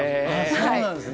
そうなんですね。